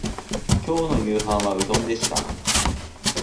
今日の夕飯はうどんでした